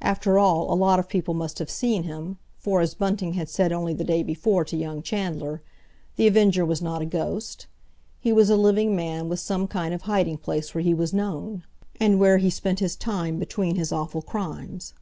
After all, a lot of people must have seen him, for, as Bunting had said only the day before to young Chandler, The Avenger was not a ghost; he was a living man with some kind of hiding place where he was known, and where he spent his time between his awful crimes.